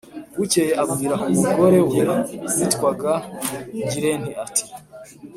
Bukeye abwira umugore we witwaga Ngirente ati: "